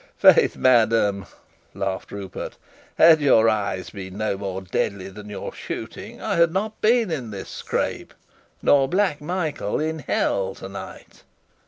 "Faith, madame," laughed Rupert, "had your eyes been no more deadly than your shooting, I had not been in this scrape nor Black Michael in hell tonight!"